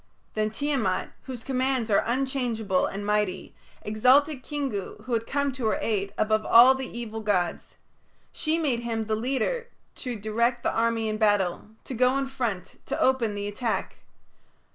Then Tiamat, whose commands are unchangeable and mighty, exalted Kingu, who had come to her aid, above all the evil gods; she made him the leader to direct the army in battle, to go in front, to open the attack.